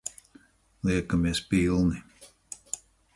Liekamies pilni.